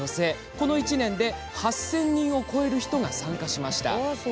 この１年で８０００人を超える人が参加しました。